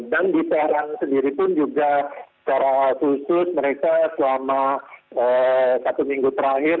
dan di teheran sendiri pun juga secara khusus mereka selama satu minggu terakhir